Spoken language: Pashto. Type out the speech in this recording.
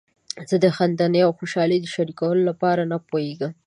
زه د خندنۍ او خوشحالۍ د شریکولو لپاره نه پوهیږم.